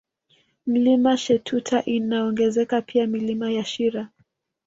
Mlima Shetuta inaongezeka pia Milima ya Shira